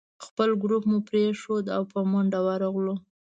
خپل ګروپ مو پرېښود او په منډه ورغلو.